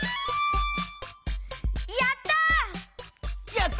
やった！